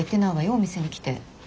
お店に来て。